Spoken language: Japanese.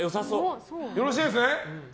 よろしいですね？